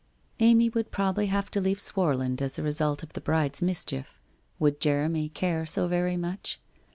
Amy would probably have to leave Swarland as a result of the bride's mischief. Would Jeremy care so very much